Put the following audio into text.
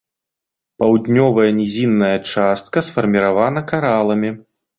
Паўднёвая нізінная частка сфарміравана караламі.